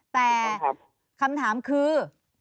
แต่คำถามคือ